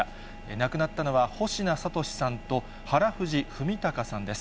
亡くなったのは、保科諭さんと、服藤文孝さんです。